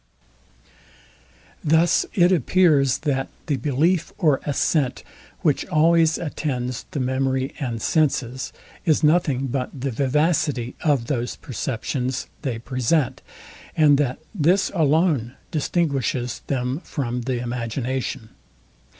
Thus it appears, that the belief or assent, which always attends the memory and senses, is nothing but the vivacity of those perceptions they present; and that this alone distinguishes them from the imagination.